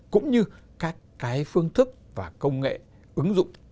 cũng như các cái phương thức và công nghệ ứng dụng